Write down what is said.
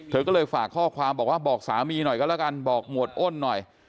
เธอก็เลยฝากข้อความบอกว่าบอกสามีหน่อยก็แล้วกันบอกหมวดอ้นหน่อย